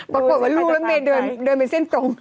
ปรากฏว่าลูกรถเมย์เดินเป็นเส้นตรง